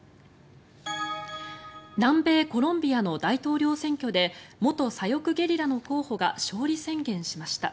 南米コロンビアの大統領選挙で元左翼ゲリラの候補が勝利宣言しました。